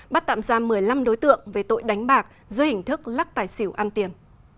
bắt tạm ra một mươi năm đối tượng về tội đánh bạc dưới hình thức lắc tài xỉu ăn tiền